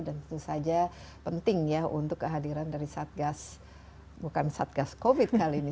dan tentu saja penting ya untuk kehadiran dari satgas bukan satgas covid kali ini